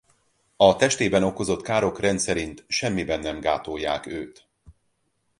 A testében okozott károk rendszerint semmiben nem gátolják őt.